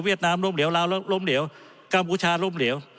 น้ำล้มเหลวลาวล้มเหลวกัมพูชาล้มเหลว